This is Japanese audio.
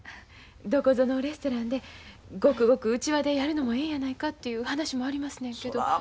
どこぞのレストランでごくごく内輪でやるのもええんやないかという話もありますねんけど。